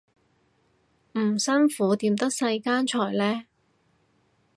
唔辛苦點得世間財呢